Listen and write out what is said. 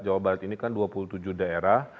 jawa barat ini kan dua puluh tujuh daerah